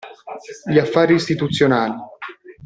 Gli affari istituzionali.